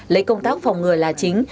lấy công tác phòng ngừa là chính